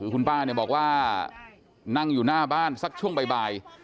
คุณป้าเนี่ยบอกว่านั่งอยู่หน้าบ้านสักช่วงบ่าย